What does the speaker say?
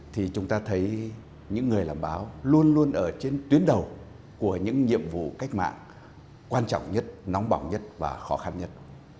thì chúng ta thấy những người làm báo luôn luôn ở trên tuyến đầu của những nhiệm vụ cách mạng quan trọng nhất nóng bỏng nhất và khó khăn nhất